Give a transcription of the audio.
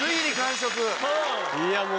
いやもう。